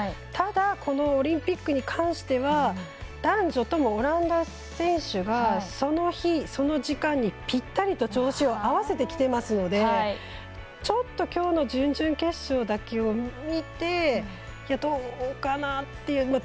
ただこのオリンピックに関しては男女ともオランダ選手がその日、その時間にぴったりと調子を合わせてきていますのでちょっときょうの準々決勝だけを見てどうかなっていう。